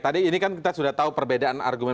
tadi ini kan kita sudah tahu perbedaan argumen